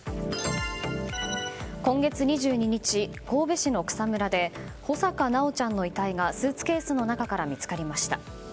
今月２２日、神戸市の草むらで穂坂修ちゃんの遺体がスーツケースの中から見つかりました。